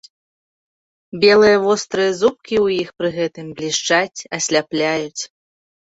Белыя, вострыя зубкі ў іх пры гэтым блішчаць, асляпляюць.